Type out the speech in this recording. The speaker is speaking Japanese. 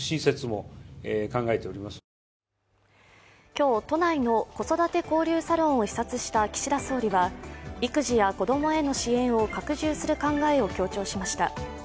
今日、都内の子育て交流サロンを視察した岸田総理は育児や子供への支援を拡充する考えを強調しました。